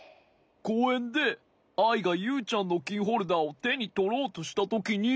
こうえんでアイがユウちゃんのキーホルダーをてにとろうとしたときに。